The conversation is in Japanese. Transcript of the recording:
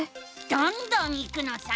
どんどんいくのさ！